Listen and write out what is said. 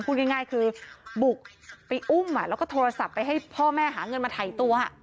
พูดง่ายคือบุกไปอุ้มแล้วก็โทรศัพท์ไปให้พ่อแม่หาเงินมาถ่ายตัว